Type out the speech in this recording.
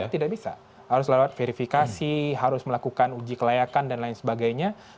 tidak bisa harus lewat verifikasi harus melakukan uji kelayakan dan lain sebagainya